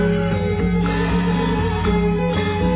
ทรงเป็นน้ำของเรา